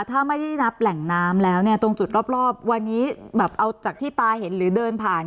ถ้าไม่ได้นับแหล่งน้ำแล้วเนี่ยตรงจุดรอบวันนี้แบบเอาจากที่ตาเห็นหรือเดินผ่าน